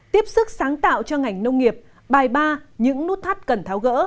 tiếp sức sáng tạo cho ngành nông nghiệp bài ba những nút thắt cần tháo gỡ